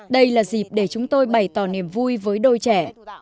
đây là dịp để chúng tôi bày tỏ niềm vui với đôi trẻ